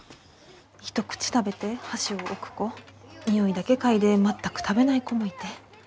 一口食べて箸を置く子匂いだけ嗅いで全く食べない子もいて。